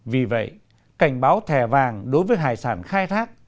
vì vậy cảnh báo thẻ vàng đối với hải sản khai thác